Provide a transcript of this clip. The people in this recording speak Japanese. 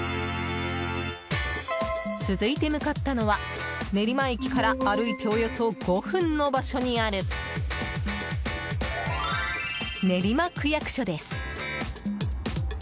続いて向かったのは練馬駅から歩いておよそ５分の場所にある練馬区役所です。